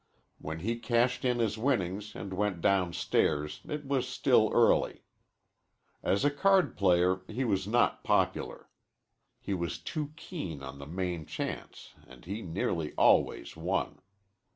When he cashed in his winnings and went downstairs it was still early. As a card player he was not popular. He was too keen on the main chance and he nearly always won.